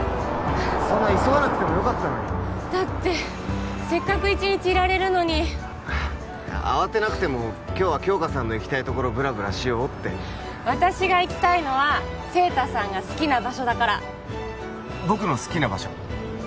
そんな急がなくてもよかったのにだってせっかく一日いられるのに慌てなくても今日は杏花さんの行きたいところブラブラしようって私が行きたいのは晴太さんが好きな場所だから僕の好きな場所？